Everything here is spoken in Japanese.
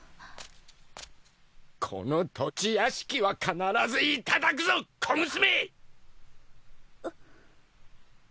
この土地屋敷は必ず頂くぞ小娘！